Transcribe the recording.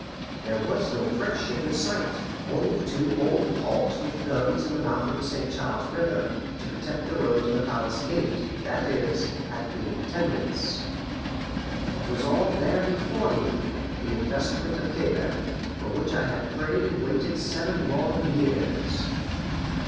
There was no French ship in sight only two old hulks with guns in the mouth of the St. Charles River, to protect the road to the palace gate that is, at the Intendance. It was all there before me, the investment of Quebec, for which I had prayed and waited seven long years.